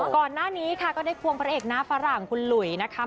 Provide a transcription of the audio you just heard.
ก่อนหน้านี้ค่ะก็ได้ควงพระเอกหน้าฝรั่งคุณหลุยนะคะ